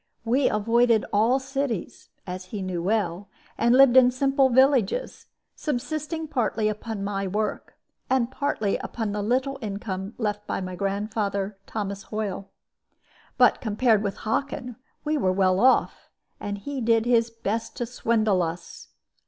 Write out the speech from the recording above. "We avoided all cities (as he knew well), and lived in simple villages, subsisting partly upon my work, and partly upon the little income left by my grandfather, Thomas Hoyle. But, compared with Hockin, we were well off; and he did his best to swindle us.